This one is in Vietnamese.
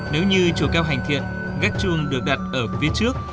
nếu như chùa keo hành thiện ghét chuông được đặt ở phía trước